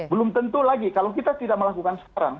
belum tentu lagi kalau kita tidak melakukan sekarang